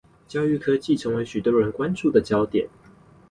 教育科技成為許多人關注的焦點